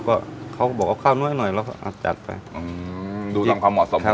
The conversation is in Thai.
ก็เขาก็บอกเอาข้าวน้อยหน่อยแล้วก็อาจจัดไปอืมดูส่งความเหมาะสมของ